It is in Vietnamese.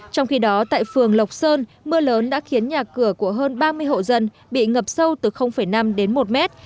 trong khi đó tại phường lộc sơn mưa lớn đã khiến nhà cửa của hơn ba mươi hộ dân bị ngập sâu từ năm đến một mét